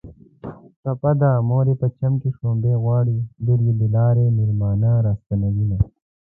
ټپه ده.: موریې جمکی کې شوملې غواړي ــــ لوریې د لارې مېلمانه را ستنوینه